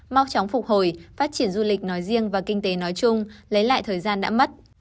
mau chóng phục hồi phát triển du lịch nói riêng và kinh tế nói chung lấy lại thời gian đã mất